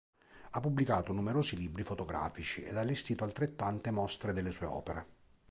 Ha pubblicato numerosi libri fotografici ed allestito altrettante mostre delle sue opere.